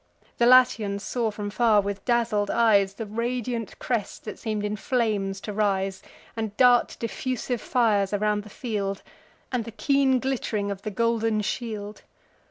The Latians saw from far, with dazzled eyes, The radiant crest that seem'd in flames to rise, And dart diffusive fires around the field, And the keen glitt'ring of the golden shield.